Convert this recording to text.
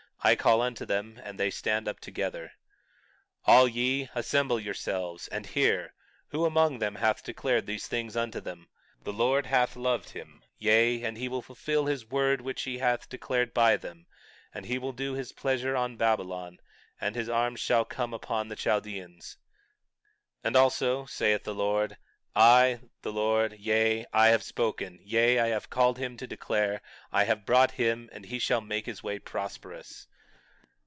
I call unto them and they stand up together. 20:14 All ye, assemble yourselves, and hear; who among them hath declared these things unto them? The Lord hath loved him; yea, and he will fulfill his word which he hath declared by them; and he will do his pleasure on Babylon, and his arm shall come upon the Chaldeans. 20:15 Also, saith the Lord; I the Lord, yea, I have spoken; yea, I have called him to declare, I have brought him, and he shall make his way prosperous.